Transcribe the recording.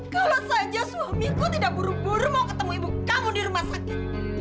kalau saja suamiku tidak buru buru mau ketemu ibu kamu di rumah sakit